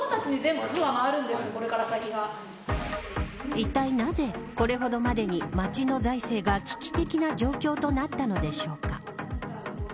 いったいなぜ、これほどまでに町の財政が危機的な状況となったのでしょうか。